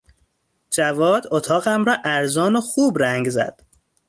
جواد اتاقم را ارزان و خوب رنگ زد.